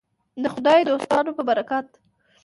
د خدای دوستانو په برکت.